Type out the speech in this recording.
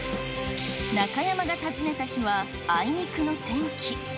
中山が訪ねた日は、あいにくの天気。